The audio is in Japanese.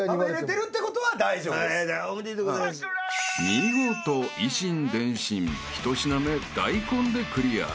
［見事以心伝心１品目大根でクリア］